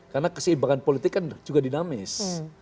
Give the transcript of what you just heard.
karena keseimbangan politik kan juga dinamis